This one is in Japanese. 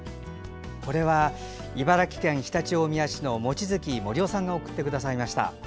これは、茨城県常陸大宮市の望月森雄さんが送ってくださいました。